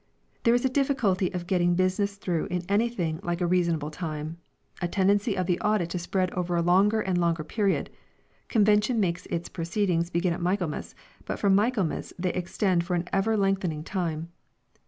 There is a difficulty of getting business through in anything like reasonable Audit. time, a tendency of the Audit to spread over a longer and longer period convention makes its proceedings begin at Michaelmas, but from Michaelmas they ex tend for an ever lengthening time.